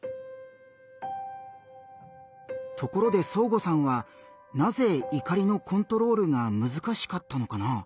ところでそーごさんはなぜ怒りのコントロールがむずかしかったのかな？